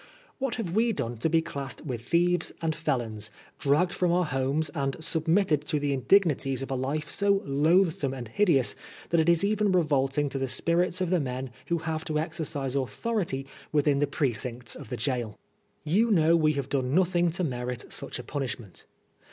What have we done to be classed with thieves and felons, dragged from our homes and submitted to the indignities of a life so loathsome and hideous, that it is even revolting to the spirits of the men who have to exercise authority within the precincts of the gaol? You know we have done nothing to merit such a punishment.